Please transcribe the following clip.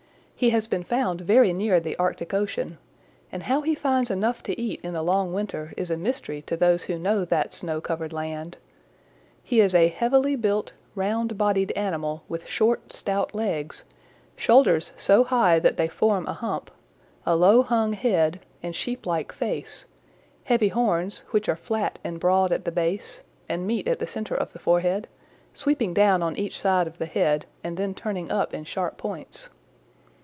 He has been found very near the Arctic Ocean, and how he finds enough to eat in the long winter is a mystery to those who know that snow covered land. He is a heavily built, round bodied animal with short, stout legs, shoulders so high that they form a hump, a low hung head and sheeplike face, heavy horns which are flat and broad at the base and meet at the center of the forehead, sweeping down on each side of the head and then turning up in sharp points.